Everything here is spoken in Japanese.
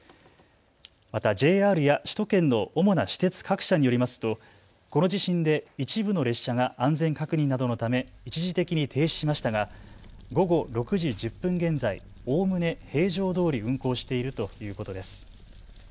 またＪＲや首都圏の主な私鉄各社によりますとこの地震で一部の列車が安全確認などのため一時的に停止しましたが午後６時１０分現在、おおむね平常どおり運行しているということです。